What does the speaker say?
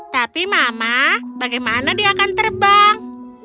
tapi mama bagaimana dia akan terbang